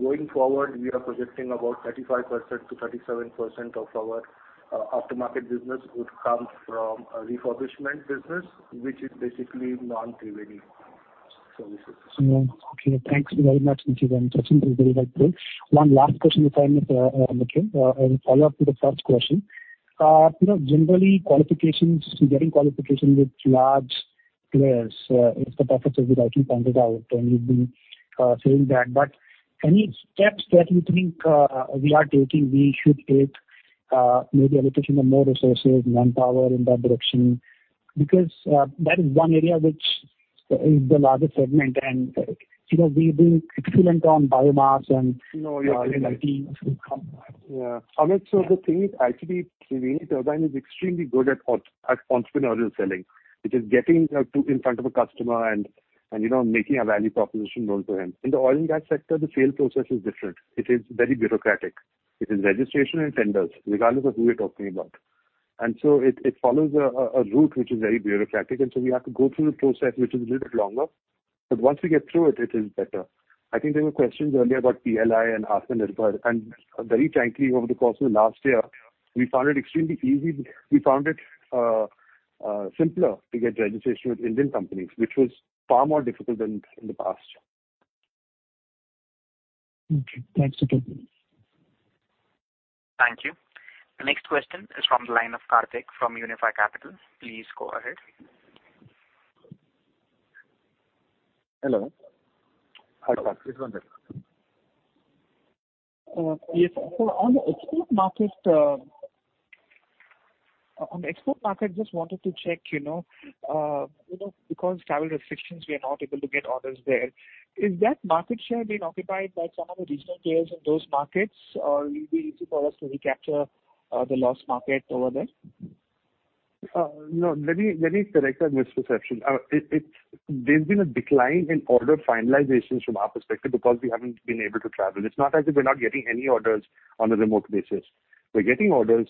Going forward, we are projecting about 35%-37% of our aftermarket business would come from a refurbishment business, which is basically non-Triveni services. Okay. Thanks very much, Nikhil and Sachin. It was very helpful. One last question if I may, Nikhil, a follow-up to the first question. Any steps that you think we are taking, we should take maybe allocation of more resources, manpower in that direction, because that is one area which is the largest segment and we've been excellent on biomass and. No, you're right. Other teams. Yeah. Amit, the thing is, actually, Triveni Turbine is extremely good at entrepreneurial selling, which is getting in front of a customer and making a value proposition known to him. In the oil and gas sector, the sale process is different. It is very bureaucratic. It is registration and tenders, regardless of who we're talking about. It follows a route which is very bureaucratic, and so we have to go through the process, which is a little bit longer. Once we get through it is better. I think there were questions earlier about PLI and Aatmanirbhar. Very frankly, over the course of the last year, we found it extremely easy. We found it simpler to get registration with Indian companies, which was far more difficult than in the past. Okay. Thanks, Nikhil. Thank you. The next question is from the line of Karthik from Unifi Capital. Please go ahead. Hello. Hi, Karthik. Yes. on the export market on the export market, just wanted to check. Because travel restrictions, we are not able to get orders there. Is that market share being occupied by some of the regional players in those markets, or it will be easy for us to recapture the lost market over there? No. Let me correct that misperception. There's been a decline in order finalizations from our perspective because we haven't been able to travel. It's not as if we're not getting any orders on a remote basis. We're getting orders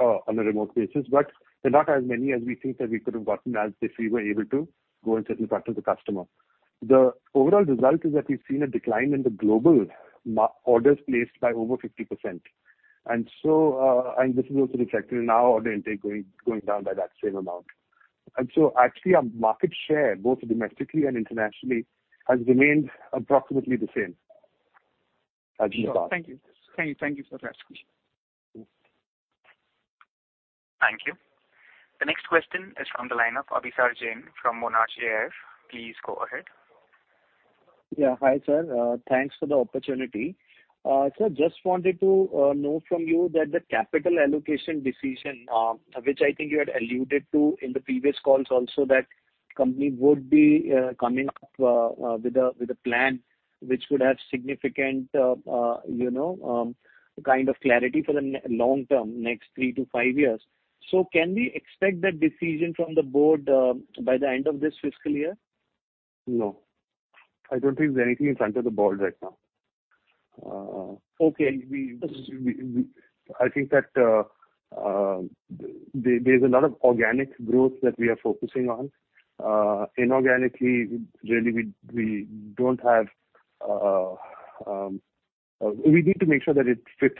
on a remote basis, but they're not as many as we think that we could have gotten as if we were able to go and sit in front of the customer. The overall result is that we've seen a decline in the global orders placed by over 50%. This is also reflected in our order intake going down by that same amount. Actually, our market share, both domestically and internationally, has remained approximately the same as we thought. Sure. Thank you. Thank you for clarifying. Thank you. The next question is from the line of Abhisar Jain from Monarch AIF. Please go ahead. Yeah. Hi, sir. Thanks for the opportunity. Sir, just wanted to know from you that the capital allocation decision, which I think you had alluded to in the previous calls also, that company would be coming up with a plan which would have significant kind of clarity for the long term, next three to five years. Can we expect that decision from the board by the end of this fiscal year? No, I don't think there's anything in front of the board right now. Okay. I think that there's a lot of organic growth that we are focusing on. Inorganically, really, we need to make sure that it fits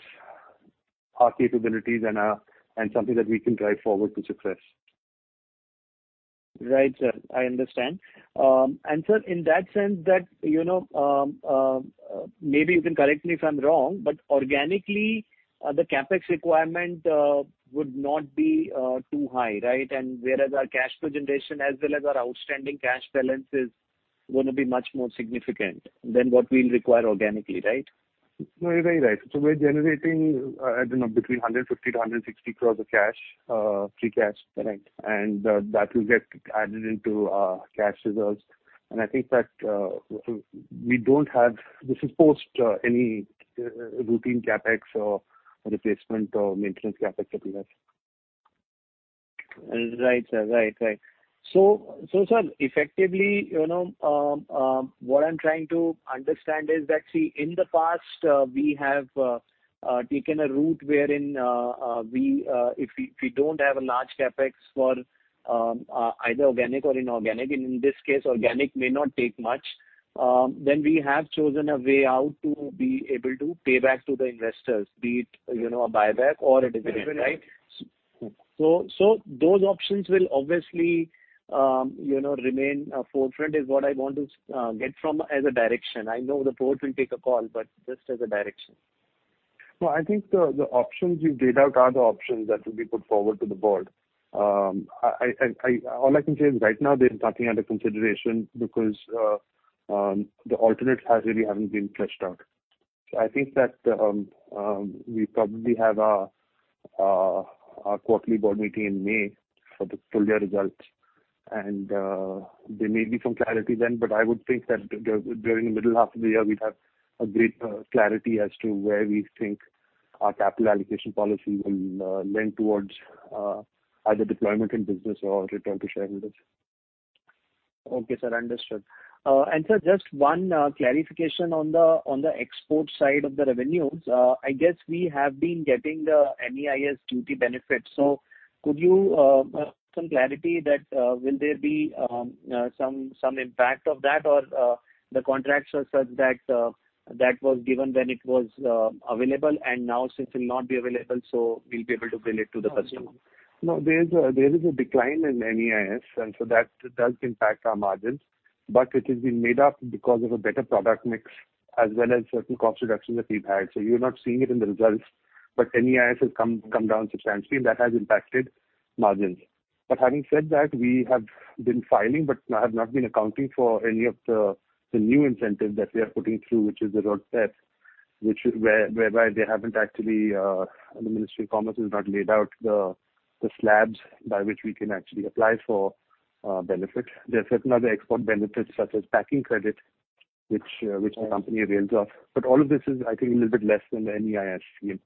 our capabilities and something that we can drive forward to success. Right, sir. I understand. Sir, in that sense that, maybe you can correct me if I'm wrong, but organically, the CapEx requirement would not be too high, right? Whereas our cash flow generation as well as our outstanding cash balance is going to be much more significant than what we will require organically, right? No, you're very right. We're generating between 150-160 crores of cash, free cash. Correct. That will get added into our cash reserves. I think that this is post any routine CapEx or replacement or maintenance CapEx that we have. Right, sir. Sir, effectively, what I am trying to understand is that, see, in the past, we have taken a route wherein if we don't have a large CapEx for either organic or inorganic, in this case, organic may not take much, then we have chosen a way out to be able to pay back to the investors, be it a buyback or a dividend, right? Definitely. Those options will obviously remain forefront is what I want to get from as a direction. I know the board will take a call, but just as a direction. I think the options you laid out are the options that will be put forward to the Board. All I can say is right now, there's nothing under consideration because the alternates really haven't been fleshed out. I think that we probably have our quarterly Board meeting in May for the full-year results, and there may be some clarity then, but I would think that during the middle half of the year, we'd have a great clarity as to where we think our capital allocation policy will lend towards either deployment in business or return to shareholders. Okay, sir. Understood. Sir, just one clarification on the export side of the revenues. I guess we have been getting the MEIS duty benefits. Could you give some clarity that will there be some impact of that or the contracts are such that that was given when it was available and now since it will not be available, so we'll be able to bill it to the customer? There is a decline in MEIS, and so that does impact our margins, but it has been made up because of a better product mix as well as certain cost reductions that we've had. You're not seeing it in the results. MEIS has come down substantially, and that has impacted margins. Having said that, we have been filing but have not been accounting for any of the new incentive that we are putting through, which is the RoDTEP, whereby the Ministry of Commerce has not laid out the slabs by which we can actually apply for benefits. There are certain other export benefits such as packing credit, which the company avails of. All of this is, I think, a little bit less than the MEIS scheme.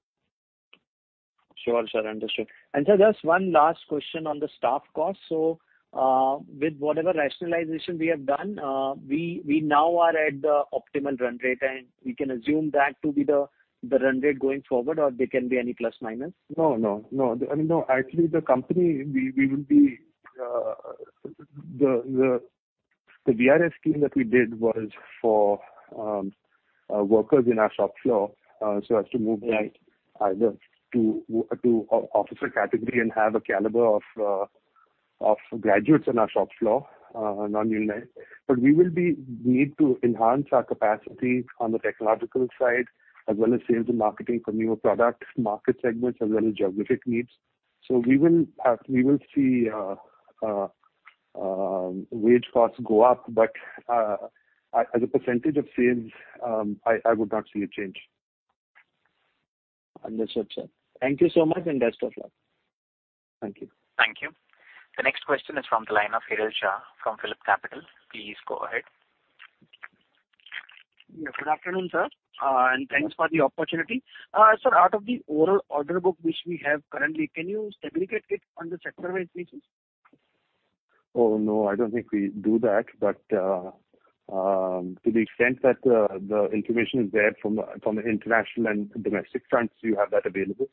Sure, sir. Understood. Sir, just one last question on the staff cost. With whatever rationalization we have done, we now are at the optimal run rate, and we can assume that to be the run rate going forward, or there can be any plus minus? Actually, the company, the VRS scheme that we did was for workers in our shop floor, so as to move them either to officer category and have a caliber of graduates in our shop floor, non-unionized. We need to enhance our capacity on the technological side, as well as sales and marketing for newer product market segments as well as geographic needs. We will see wage costs go up, but as a percentage of sales, I would not see a change. Understood, sir. Thank you so much, and best of luck. Thank you. Thank you. The next question is from the line of Dhiral Shah from PhillipCapital. Please go ahead. Good afternoon, sir, and thanks for the opportunity. Sir, out of the overall order book which we have currently, can you segregate it on the sector-wise basis? No, I don't think we do that. To the extent that the information is there from the international and domestic fronts, you have that available.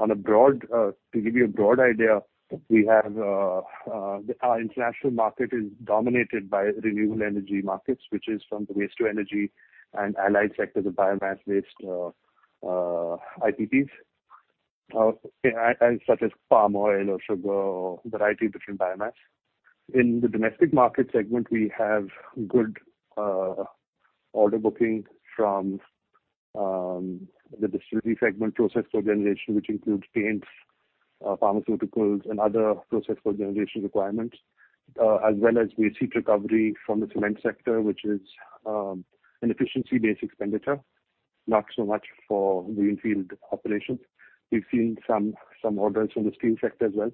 To give you a broad idea, our international market is dominated by renewable energy markets, which is from the waste-to-energy and allied sectors of biomass waste IPPs, such as palm oil or sugar or a variety of different biomass. In the domestic market segment, we have good order booking from the distillery segment, process co-generation, which includes paints, pharmaceuticals, and other process co-generation requirements. We see recovery from the cement sector, which is an efficiency-based expenditure, not so much for greenfield operations. We've seen some orders from the steel sector as well.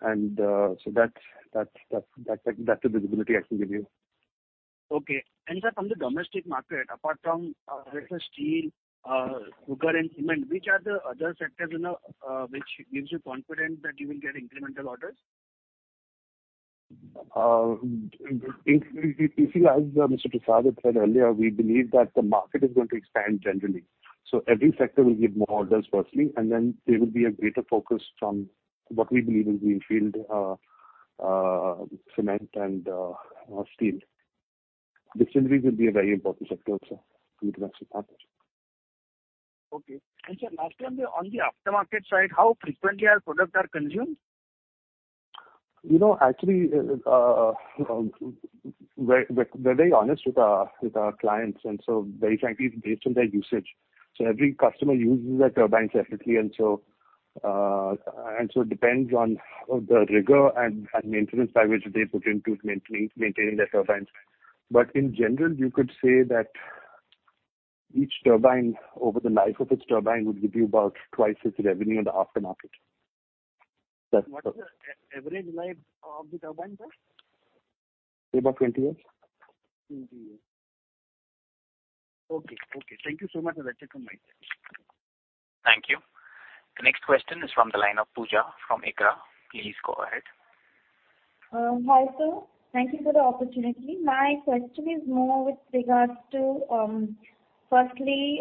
That's the visibility I can give you. Okay. Sir, from the domestic market, apart from let's say steel, sugar and cement, which are the other sectors which gives you confidence that you will get incremental orders? You see, as Mr. [Bhavin] said earlier, we believe that the market is going to expand generally. Every sector will give more orders firstly, and then there will be a greater focus from what we believe is greenfield cement and steel. Distilleries will be a very important sector also to the domestic market. Okay. Sir, lastly, on the aftermarket side, how frequently are products consumed? Actually, we're very honest with our clients, very frankly, it's based on their usage. Every customer uses their turbines differently, it depends on the rigor and maintenance by which they put into maintaining their turbines. In general, you could say that each turbine over the life of its turbine would give you about twice its revenue on the aftermarket. What is the average life of the Turbine, sir? About 20 years. 20 years. Okay. Thank you so much. That's it from my side. Thank you. The next question is from the line of Pooja from ICRA. Please go ahead. Hi, sir. Thank you for the opportunity. My question is more with regards to, firstly,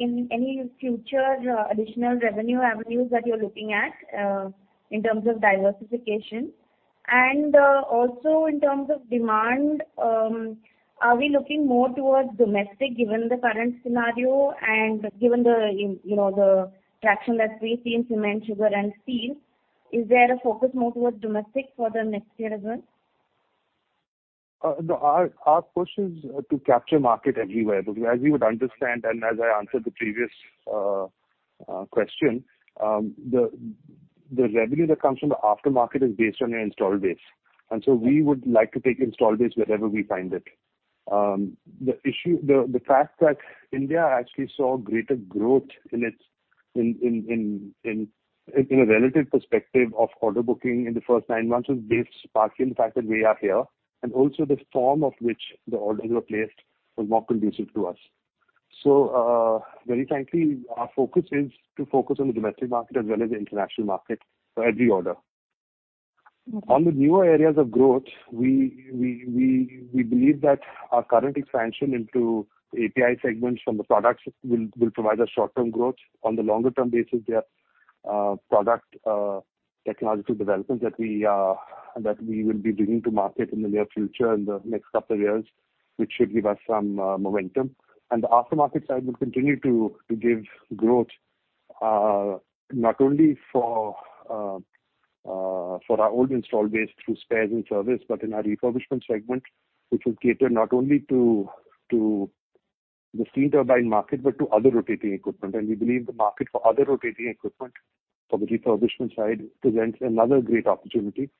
any future additional revenue avenues that you're looking at in terms of diversification, and also in terms of demand, are we looking more towards domestic given the current scenario and given the traction that we see in cement, sugar and steel? Is there a focus more towards domestic for the next year as well? No. Our push is to capture market everywhere. As you would understand and as I answered the previous question, the revenue that comes from the aftermarket is based on your installed base. We would like to take installed base wherever we find it. The fact that India actually saw greater growth in a relative perspective of order booking in the first nine months was based partly on the fact that we are here, and also the form of which the orders were placed was more conducive to us. Very frankly, our focus is to focus on the domestic market as well as the international market for every order. On the newer areas of growth, we believe that our current expansion into API segments from the products will provide us short-term growth. On the longer term basis, there are product technological developments that we will be bringing to market in the near future, in the next couple years, which should give us some momentum. The aftermarket side will continue to give growth, not only for our old installed base through spares and service, but in our refurbishment segment, which will cater not only to the steam turbine market but to other rotating equipment. We believe the market for other rotating equipment for the refurbishment side presents another great opportunity,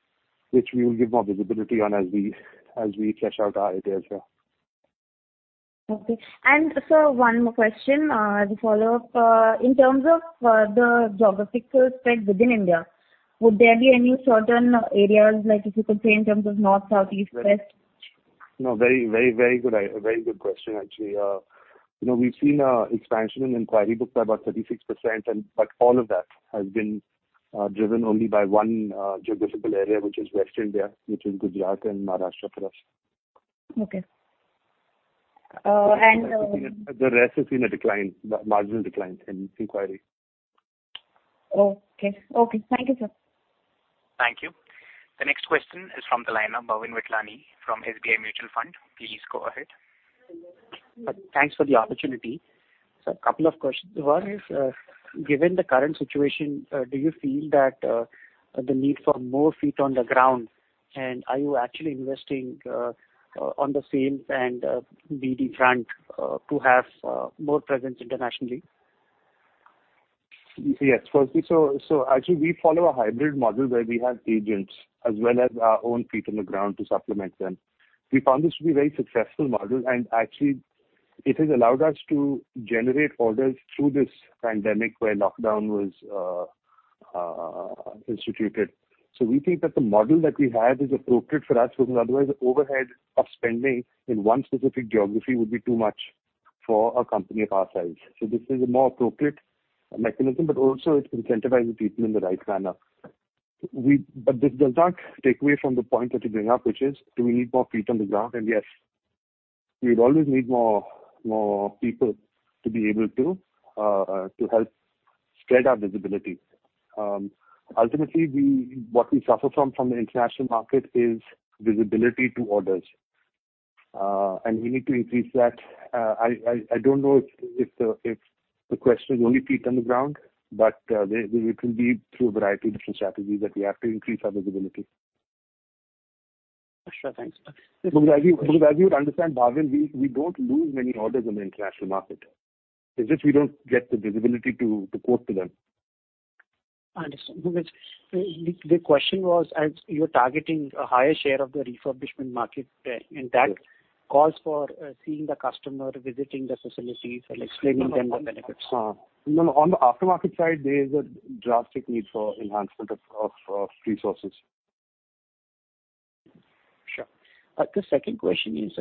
which we will give more visibility on as we flesh out our ideas here. Okay. Sir, one more question as a follow-up. In terms of the geographical spread within India, would there be any certain areas, like if you could say in terms of north, south, east, west? No, very good question, actually. We've seen expansion in inquiry book by about 36%, but all of that has been driven only by one geographical area, which is West India, which is Gujarat and Maharashtra plus. Okay. The rest has seen a marginal decline in inquiry. Okay. Thank you, sir. Thank you. The next question is from the line of Bhavin Vithlani from SBI Mutual Fund. Please go ahead. Thanks for the opportunity. Sir, a couple of questions. One is, given the current situation, do you feel that the need for more feet on the ground, and are you actually investing on the sales and BD front to have more presence internationally? Yes. Firstly, actually we follow a hybrid model where we have agents as well as our own feet on the ground to supplement them. We found this to be very successful model, actually it has allowed us to generate orders through this pandemic where lockdown was instituted. We think that the model that we have is appropriate for us, because otherwise the overhead of spending in one specific geography would be too much for a company of our size. This is a more appropriate mechanism, also it's incentivizing people in the right manner. This does not take away from the point that you bring up, which is, do we need more feet on the ground? Yes, we'd always need more people to be able to help spread our visibility. Ultimately, what we suffer from the international market is visibility to orders. We need to increase that. I don't know if the question is only feet on the ground, but it will be through a variety of different strategies that we have to increase our visibility. Sure. Thanks. As you would understand, Bhavin, we don't lose many orders on the international market. It's just we don't get the visibility to quote to them. Understood. The question was, as you're targeting a higher share of the refurbishment market, and that calls for seeing the customer, visiting the facilities, explaining to them the benefits. No, no. On the aftermarket side, there is a drastic need for enhancement of resources. Sure. The second question is,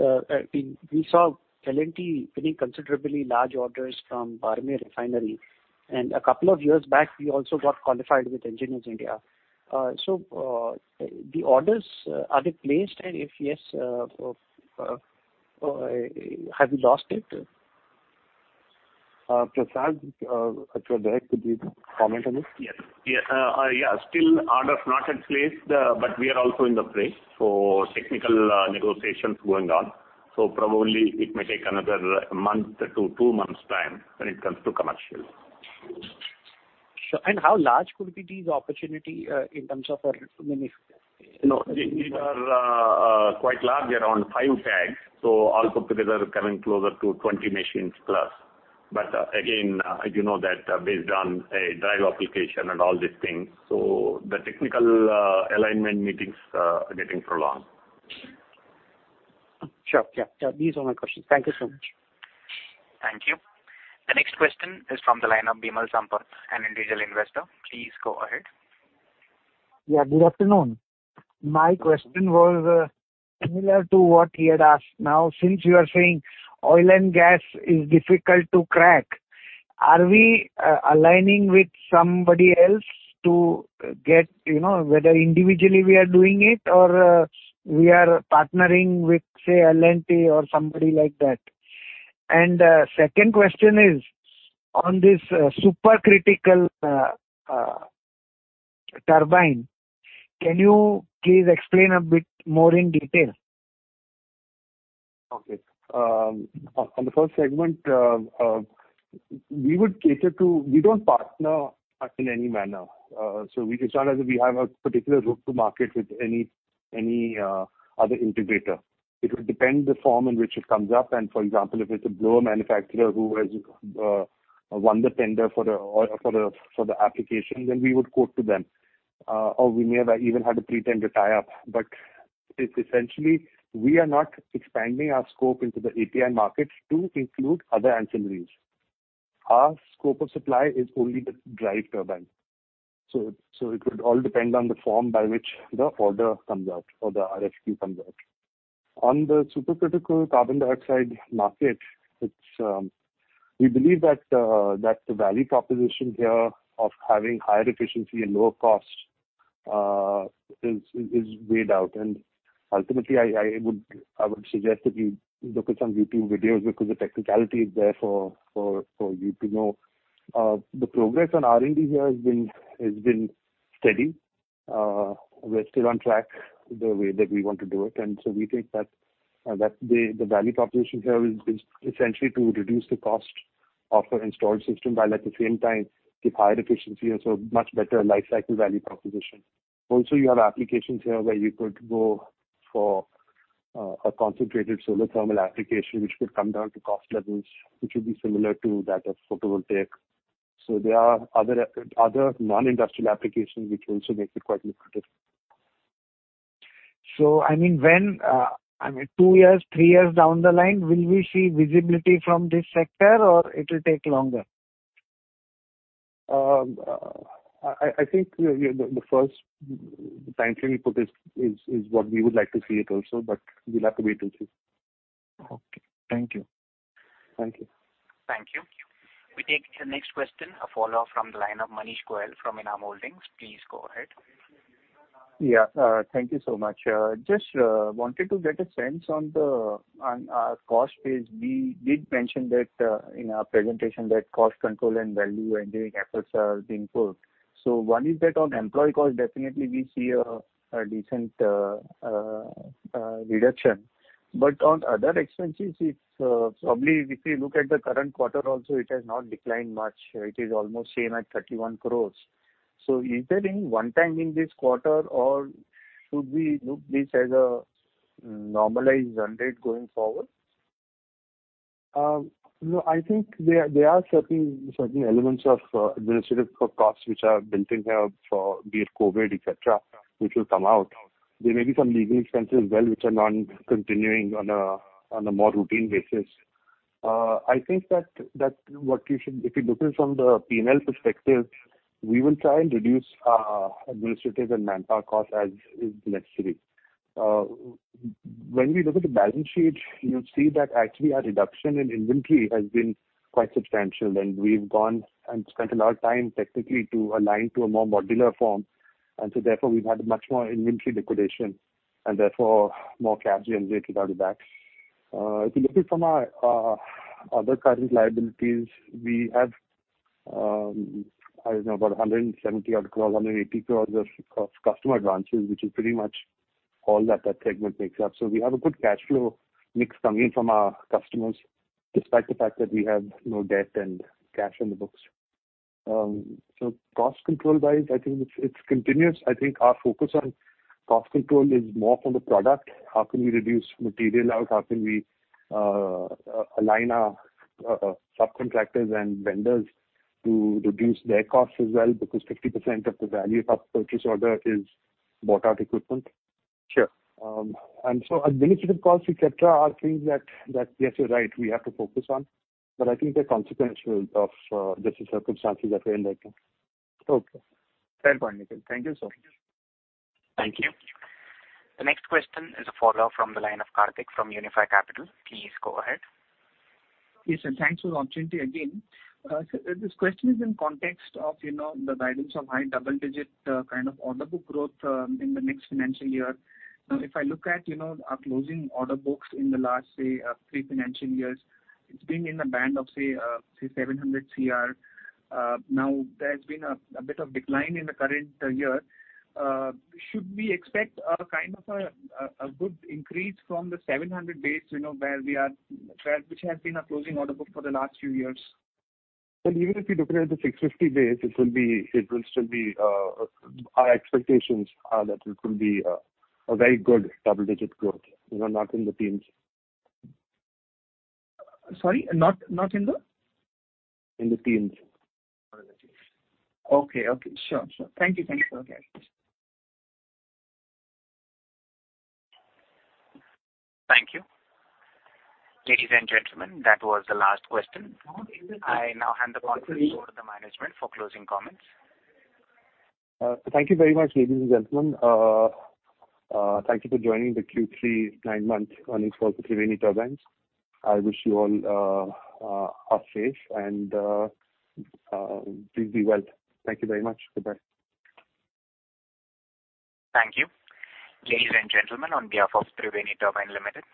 we saw L&T winning considerably large orders from Barmer Refinery. A couple of years back, we also got qualified with Engineers India. The orders, are they placed? If yes, have you lost it? Prasad, if you are there, could you comment on it? Yes. Still orders not yet placed, but we are also in the fray. Technical negotiations going on. Probably it may take another month to two months' time when it comes to commercial. Sure. How large could be this opportunity in terms of revenue? These are quite large, around five sets. All put together, coming closer to 20 machines plus. Again, as you know that based on a drive application and all these things, the technical alignment meetings are getting prolonged. Sure. These are my questions. Thank you so much. Thank you. The next question is from the line of Bimal Sampath, an individual investor. Please go ahead. Yeah. Good afternoon. My question was similar to what he had asked. Now, since you are saying oil and gas is difficult to crack, are we aligning with somebody else whether individually we are doing it or we are partnering with, say, L&T or somebody like that. Second question is on this supercritical turbine. Can you please explain a bit more in detail? Okay. On the first segment, we don't partner in any manner. We just found that we have a particular route to market with any other integrator. It would depend the form in which it comes up, and for example, if it's a blower manufacturer who has won the tender for the application, then we would quote to them, or we may have even had a pre-tender tie up. It's essentially, we are not expanding our scope into the API markets to include other ancillaries. Our scope of supply is only the drive turbine. It would all depend on the form by which the order comes out or the RFP comes out. On the supercritical carbon dioxide market, we believe that the value proposition here of having higher efficiency and lower cost is weighed out. Ultimately, I would suggest that you look at some YouTube videos because the technicality is there for you to know. The progress on R&D here has been steady. We're still on track the way that we want to do it. We think that the value proposition here is essentially to reduce the cost of our installed system while at the same time give higher efficiency and so much better life cycle value proposition. Also, you have applications here where you could go for a concentrated solar thermal application, which could come down to cost levels, which would be similar to that of photovoltaic. There are other non-industrial applications which also make it quite lucrative. When, two years, three years down the line, will we see visibility from this sector, or it will take longer? I think the first timeframe we put is what we would like to see it also, but we'll have to wait and see. Okay. Thank you. Thank you. Thank you. We take the next question, a follow-up from the line of Manish Goel from Enam Holdings. Please go ahead. Yeah. Thank you so much. Just wanted to get a sense on our cost base. We did mention that in our presentation that cost control and value engineering efforts are being put. One is that on employee cost, definitely we see a decent reduction. On other expenses, it's probably if you look at the current quarter also, it has not declined much. It is almost same at 31 crores. Is there any one-time in this quarter or should we look this as a normalized run rate going forward? I think there are certain elements of administrative costs which are built in here for be it COVID, et cetera, which will come out. There may be some legal expenses as well, which are non-continuing on a more routine basis. I think that if you look in from the P&L perspective, we will try and reduce our administrative and manpower costs as is necessary. When we look at the balance sheet, you'll see that actually our reduction in inventory has been quite substantial. We've gone and spent a lot of time technically to align to a more modular form. Therefore, we've had much more inventory liquidation and therefore more cash generated out of that. If you look at from our other current liabilities, we have, I don't know, about 170 crores, 180 crores of customer advances, which is pretty much all that that segment makes up. We have a good cash flow mix coming from our customers, despite the fact that we have no debt and cash on the books. Cost control-wise, I think it's continuous. I think our focus on cost control is more from the product. How can we reduce material out? How can we align our subcontractors and vendors to reduce their costs as well? 50% of the value of our purchase order is bought out equipment. Sure. Administrative costs, et cetera, are things that, yes, you're right, we have to focus on. I think they're consequential of just the circumstances that we're in right now. Okay. Fair point, Nikhil. Thank you so much. Thank you. The next question is a follow-up from the line of Karthik from Unifi Capital. Please go ahead. Yes, thanks for the opportunity again. This question is in context of the guidance of high double-digit kind of order book growth in the next financial year. If I look at our closing order books in the last, say, three financial years, it's been in the band of, say, 700 crores. There's been a bit of decline in the current year. Should we expect a good increase from the 700 base, which has been our closing order book for the last few years? Well, even if you're looking at the 650 base, our expectations are that it will be a very good double-digit growth. Not in the teens. Sorry, not in the? In the teens. Okay. Sure. Thank you. Thank you. Ladies and gentlemen, that was the last question. I now hand the conference over to the management for closing comments. Thank you very much, ladies and gentlemen. Thank you for joining the Q3 nine month earnings call for Triveni Turbine. I wish you all are safe and please be well. Thank you very much. Goodbye. Thank you. Ladies and gentlemen, on behalf of Triveni Turbine Limited,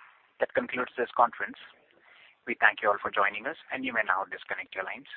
that concludes this conference. We thank you all for joining us, and you may now disconnect your lines.